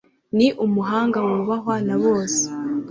Ni umuhanga wubahwa na bose.